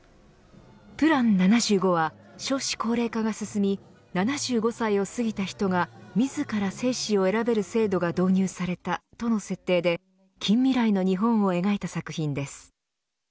７５は少子高齢化が進み７５歳を過ぎた人が自ら生死を選べる制度が導入されたとの設定で近未来の日本を描いた作品です。